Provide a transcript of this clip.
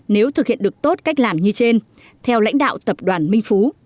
nếu thực hiện được tốt cách làm như trên theo lãnh đạo tập đoàn minh phú